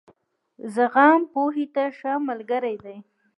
زغم، پوهې ته ښه ملګری دی.